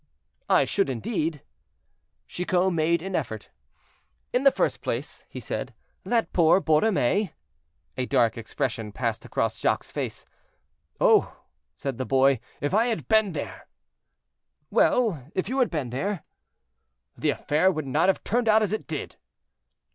"I should indeed." Chicot made an effort. "In the first place," he said, "that poor Borromée—" A dark expression passed across Jacques' face. "Oh!" said the boy, "if I had been there—" "Well! if you had been there?" "The affair would not have turned out as it did."